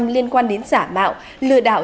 liên quan đến giả mạo lừa đảo